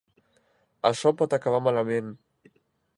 Això pot acabar malament.